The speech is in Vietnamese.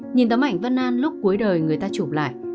nhìn tấm ảnh văn an lúc cuối đời người ta chụp lại